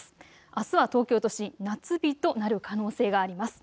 あすは東京都心、夏日となる可能性があります。